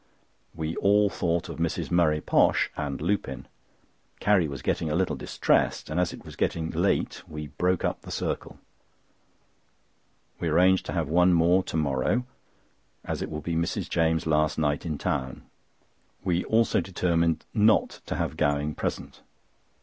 We all thought of Mrs. Murray Posh and Lupin. Carrie was getting a little distressed, and as it was getting late we broke up the circle. We arranged to have one more to morrow, as it will be Mrs. James' last night in town. We also determined not to have Gowing present.